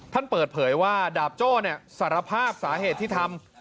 ท่านเปิดเผยว่าดาบโจ้สารภาพสาเหตุที่ทำ